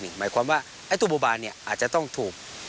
หมายความว่าไอ้ตัวบัวบานอาจจะต้องถูก